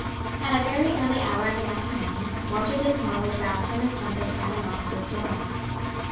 At a very early hour of the next morning, Walter Dinsmore was roused from his slumbers by, a knock at his door.